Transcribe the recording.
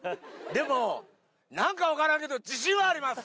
でも、なんか分からんけど、自信はあります！